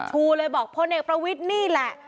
ชูเลยบอกพลเอกประวิทย์นี่แหละ